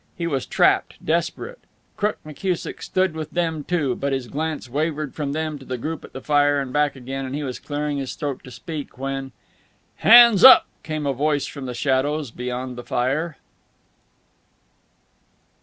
He was trapped, desperate. Crook McKusick stood with them, too, but his glance wavered from them to the group at the fire and back again, and he was clearing his throat to speak when "Hands up!" came a voice from the shadows beyond the fire.